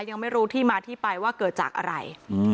ยังไม่รู้ที่มาที่ไปว่าเกิดจากอะไร